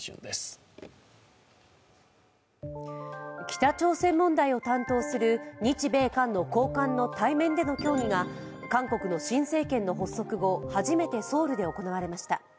北朝鮮問題を担当する日米韓の高官の対面での協議が韓国の新政権の発足後初めてソウルで行われました。